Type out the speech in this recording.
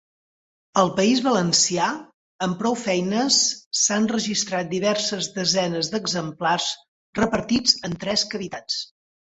Al País Valencià, amb prou feines s'han registrat diverses desenes d'exemplars repartits en tres cavitats.